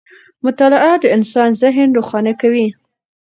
مطالعه د انسان ذهن روښانه کوي.